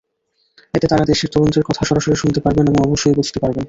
এতে তাঁরা দেশের তরুণদের কথা সরাসরি শুনতে পারবেন এবং অবশ্যই বুঝতে পারবেন।